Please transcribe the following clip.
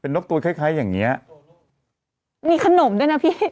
นกตูนคล้ายคล้ายอย่างเงี้ยมีขนมด้วยนะพี่